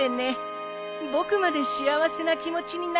僕まで幸せな気持ちになるのさ。